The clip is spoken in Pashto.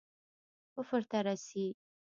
کفر ته رسي.